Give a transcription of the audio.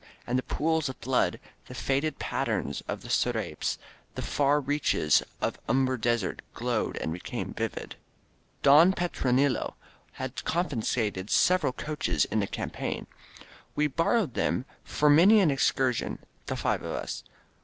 And the pools of blood, the faded patterns of the scrapes, the far reaches of umber desert glowed and became vivid. ••• Don Petronilo had confiscated several coaches in the campaign. We borrowed them for many an excursion — the five of us.